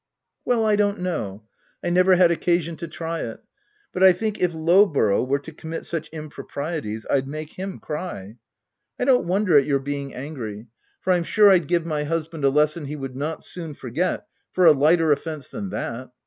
(t Well, I don't know : 1 never had occasion to try it ;— but I think if Low r borough were to commit such improprieties, I'd make him cry. I don't wonder at your being angry, for I'm sure I'd give my husband a lesson he would not soon forget for a lighter offence than that.